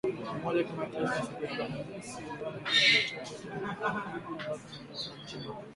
Umoja wa Mataifa, siku ya Alhamisi ,ulionya dhidi ya “chokochoko” nchini Libya ambazo zinaweza kusababisha mapigano